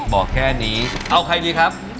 บอกแค่นี้เอาใครดีครับ